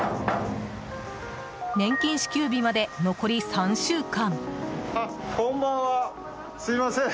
年金支給日まで残り３週間。